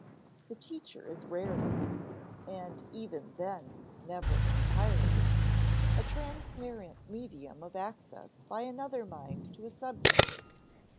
The teacher is rarely (and even then never entirely) a transparent medium of access by another mind to a subject.